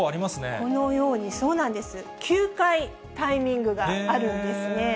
このように、９回タイミングがあるんですね。